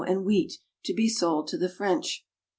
97 and wheat to be sold to the French.